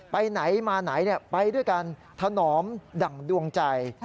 ไปไหนมาไหนไปด้วยกันถนอมดั่งดวงใจ